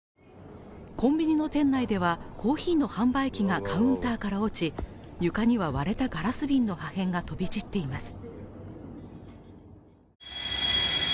コンビニの店内ではコーヒーの販売機がカウンターから落ち、床には割れたガラス瓶の破片が飛び散っています。